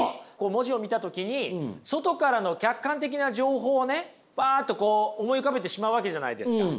文字を見た時に外からの客観的な情報をねばっと思い浮かべてしまうわけじゃないですか。